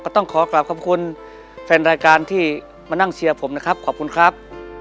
ต้องขอกลับขอบคุณแฟนรายการที่มานั่งเชียร์ผมนะครับขอบคุณครับ